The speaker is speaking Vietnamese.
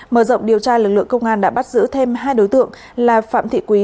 mở rộng điều tra lực lượng công an đã bắt giữ thêm hai đối tượng là phạm thị quý